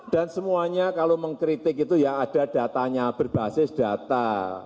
dan semuanya kalau mengkritik itu ya ada datanya berbasis data